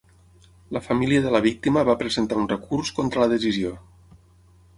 La família de la víctima va presentar un recurs contra la decisió.